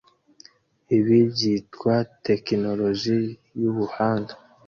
Ibi byitwa tekinoroji yubuhanga